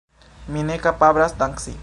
Mi ne kapablas danci.